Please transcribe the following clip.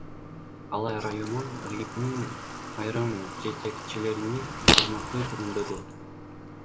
Алай районунун РИИБнин айрым жетекчилеринин кызматы төмөндөдү.